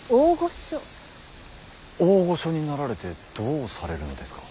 大御所になられてどうされるのですか。